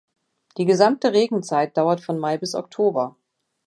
Die gesamte Regenzeit dauert von Mai bis Oktober.